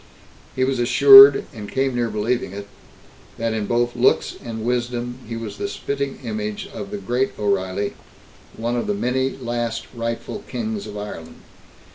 He was assured, and came near believing it, that in both looks and wisdom, he was the spitting image of the Great O'Reilly, one of the many last rightful Kings of Ireland.